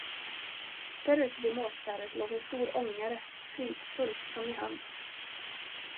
Därute vid Måsskäret låg en stor ångare, fridfullt som i hamn.